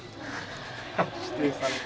指定された。